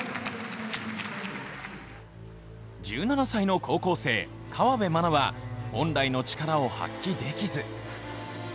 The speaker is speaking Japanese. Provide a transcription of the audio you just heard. １７歳の高校生、河辺愛菜は本来の力を発揮できず。